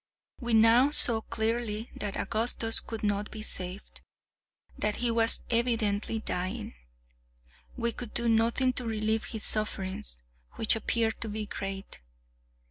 We now saw clearly that Augustus could not be saved; that he was evidently dying. We could do nothing to relieve his sufferings, which appeared to be great.